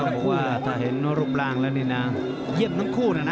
บอกว่าถ้าเห็นรูปร่างแล้วนี่นะเยี่ยมทั้งคู่นะนะ